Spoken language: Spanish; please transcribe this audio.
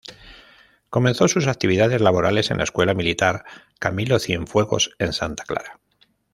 Comenzó sus actividades laborales en la "Escuela Militar Camilo Cienfuegos", en Santa Clara.